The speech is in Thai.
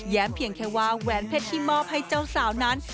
เพียงแค่ว่าแหวนเพชรที่มอบให้เจ้าสาวนั้น